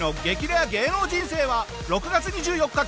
レア芸能人生は６月２４日